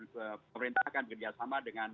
pemerintah akan bekerja sama